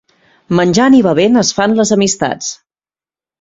Menjant i bevent es fan les amistats.